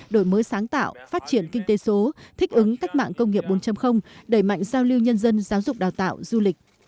đổi mới sáng tạo phát triển kinh tế số thích ứng cách mạng công nghiệp bốn đẩy mạnh giao lưu nhân dân giáo dục đào tạo du lịch